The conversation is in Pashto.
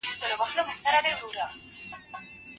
د هغه اثار اوس هم زموږ لپاره د لاري مشال دي.